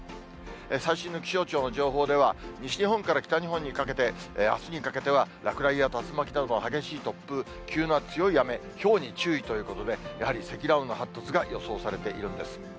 最新の気象庁の情報では、西日本から北日本にかけて、あすにかけては落雷や竜巻などの激しい突風、急な強い雨、ひょうに注意ということで、やはり積乱雲の発達が予想されているんです。